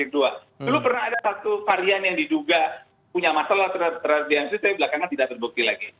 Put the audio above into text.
dulu pernah ada satu varian yang diduga punya masalah terhadap dianci tapi belakangan tidak terbukti lagi